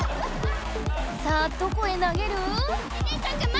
さあどこへ投げる？